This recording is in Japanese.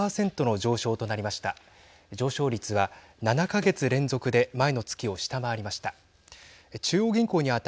上昇率は７か月連続で前の月を下回りました。